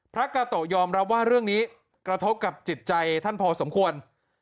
พระกาโตะยอมรับว่าเรื่องนี้กระทบกับจิตใจท่านพอสมควร